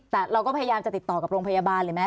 แต่เราก็พยายามจะติดต่อกับโรงพยาบาลเลยไหม